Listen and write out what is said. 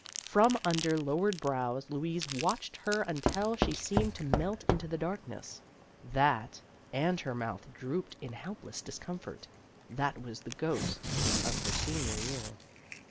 From under lowered brows Louise watched her until she seemed to melt into the darkness. That and her mouth drooped in helpless discomfort that was the ghost of her senior year.